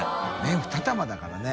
２玉だからね。